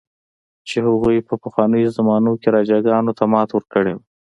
چې هغوی په پخوا زمانو کې راجاګانو ته ماته ورکړې وه.